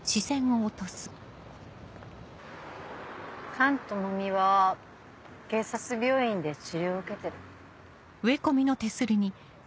菅朋美は警察病院で治療を受けてる。